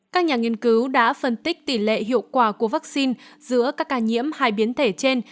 các nhà nghiên cứu đã phân tích tỷ lệ hiệu quả của vaccine giữa các ca nhiễm hai biến thể trên